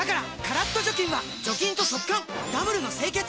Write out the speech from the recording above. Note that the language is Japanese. カラッと除菌は除菌と速乾ダブルの清潔！